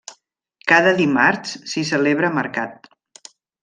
Cada dimarts s'hi celebra mercat.